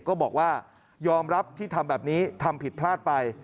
ก็บอกว่ายอมรับที่ทำแบบนี้ทำผิดพลาดไป